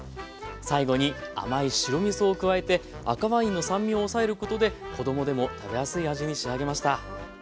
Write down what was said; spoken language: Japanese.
最後に甘い白みそを加えて赤ワインの酸味を抑えることで子供でも食べやすい味に仕上げました。